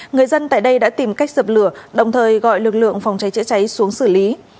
người dân tại đây đã tìm cách dập lửa đồng thời gọi lực lượng phòng cháy chữa cháy xuống xử lý